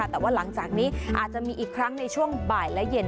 แต่ว่าหลังจากนี้อาจจะมีอีกครั้งในช่วงบ่ายและเย็น